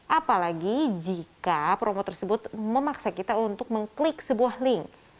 apalagi jika promo tersebut memaksa kita untuk mengklik sebuah link